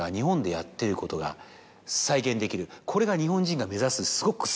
これが日本人が目指すすごく。